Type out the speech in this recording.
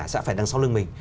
sẽ phải đằng sau lưng mình